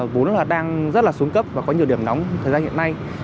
vốn là đang rất là xuống cấp và có nhiều điểm nóng thời gian hiện nay